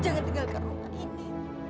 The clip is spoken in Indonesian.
jangan tinggalkan rumah ini